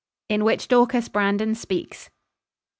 IN WHICH DORCAS BRANDON SPEAKS.